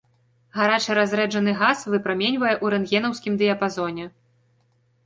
Гарачы разрэджаны газ выпраменьвае ў рэнтгенаўскім дыяпазоне.